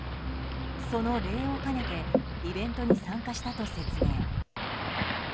その礼を兼ねてイベントに参加したと説明。